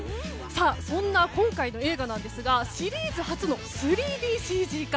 そんな今回の映画ですがシリーズ初の３ＤＣＧ化。